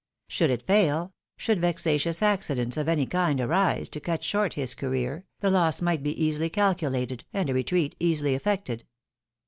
Should it fail, should vexa tious accidents of any kind arise to cut short his career, the loss . might be easily calculated, and a retreat easily effected.